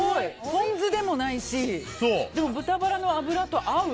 ポン酢でもないしでも豚バラの脂と合う。